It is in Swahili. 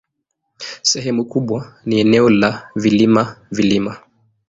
Sehemu kubwa ni eneo la vilima-vilima.